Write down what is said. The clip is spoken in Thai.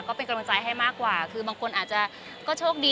ก็เป็นกำลังใจให้มากกว่าคือบางคนอาจจะก็โชคดี